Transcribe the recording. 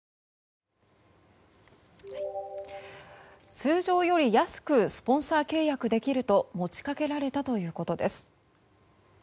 通常より安くスポンサー契約できると持ち掛けられたということです。